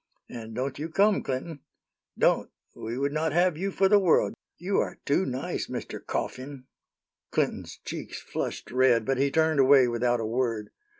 And don't you come, Clinton don't. We would not have you for the world. You are too nice, Mr. Coughin." Clinton's cheeks flushed red, but he turned away without a word.